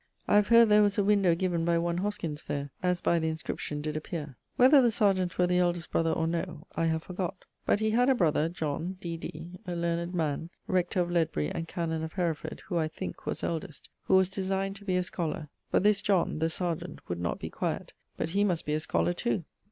I have heard there was a windowe given by one Hoskyns there, as by the inscription did appeare. Whither the serjeant were the eldest brother or no, I have forgott; but he had a brother, John[GD], D.D., a learned man, rector of Ledbury and canon of Hereford, who, I thinke, was eldest, who was designed to be a scholar, but this John (the serjeant) would not be quiet, but he must be a scholar too.